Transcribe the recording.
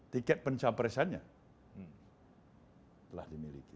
tiket pencaparesannya telah dimiliki